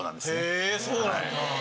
へぇそうなんだ。